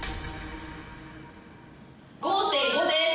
５．５です。